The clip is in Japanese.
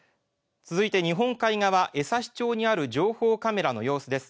続いて、日本海側、江差町にある情報カメラの様子です。